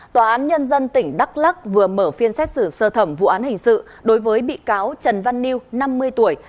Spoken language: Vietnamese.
tòa án nhân dân tỉnh đắk lắc vừa mở phiên xét xử sơ thẩm vụ án hình sự đối với bị cáo trần văn liêu năm mươi tuổi